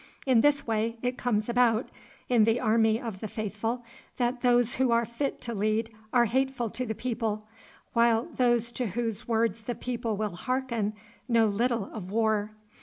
In this way it comes about, in the army of the faithful, that those who are fit to lead are hateful to the people, while those to whose words the people will hearken know little of war.